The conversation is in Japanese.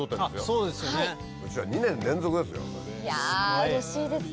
うちら２年連続ですよ。